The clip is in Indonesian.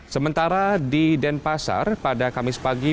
sementara di denpasar pada kamis pagi